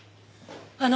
あの！